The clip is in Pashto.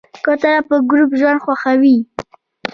کوتره په ګروپ ژوند خوښوي.